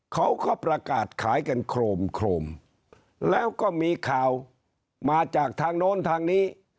เขาก็ประกาศขายกันโครมโครมแล้วก็มีข่าวมาจากทางโน้นทางนี้